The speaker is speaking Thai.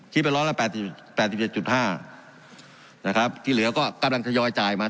ที่เป็นร้อนละแปดแปดสิบเจ็ดจุดห้านะครับที่เหลือก็กำลังจะย่อยจ่ายมา